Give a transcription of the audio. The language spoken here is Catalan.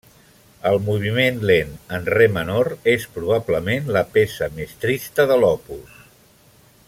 El moviment lent en re menor és probablement la peça més trista de l'opus.